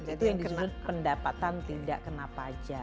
jadi yang di judul pendapatan tidak kena pajak